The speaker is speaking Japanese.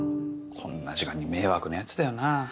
こんな時間に迷惑なやつだよな。